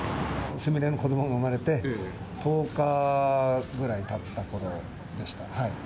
すみれの子どもが産まれて、１０日ぐらいたったころでした。